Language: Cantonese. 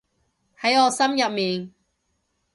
喺我心入面